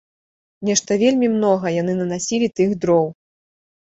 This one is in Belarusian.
Нешта вельмі многа яны нанасілі тых дроў.